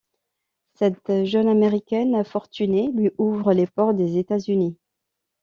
Cette jeune américaine fortunée lui ouvre les portes des États-Unis.